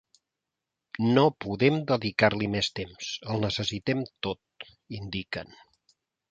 No podem dedicar-li més temps, el necessitem tot, indiquen.